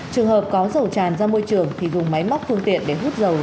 trường hợp có dầu tràn ra môi trường thì dùng máy móc phương tiện để hút dầu